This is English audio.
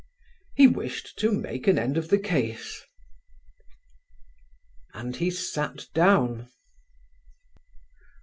He wished to make an end of the case and he sat down.